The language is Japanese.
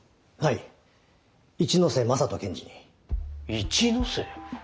一ノ瀬？